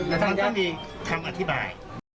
ก็ต้องมีค้ำอธิบาย